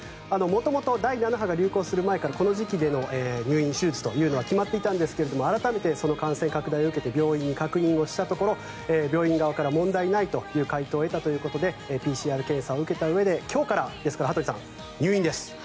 元々、第７波が流行する前からこの時期での入院、手術というのは決まっていたんですが改めて、その感染者を受けて病院に確認をしたところ病院側から問題ないという回答を得たということでＰＣＲ検査を受けたうえで今日から、ですから羽鳥さん入院です。